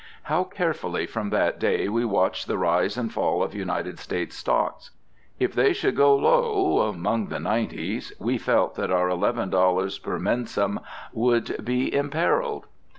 How carefully from that day we watched the rise and fall of United States stocks! If they should go low among the nineties, we felt that our eleven dollars per mensem would be imperilled.